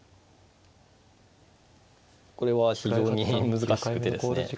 これは非常に難しくてですね。